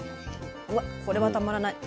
うわっこれはたまらない。